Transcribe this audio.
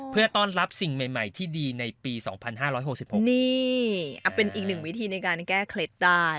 เพื่อต้อนรับสิ่งใหม่ที่ดีในปี๒๕๖๖นี่เป็นอีกหนึ่งวิธีในการแก้เคล็ดได้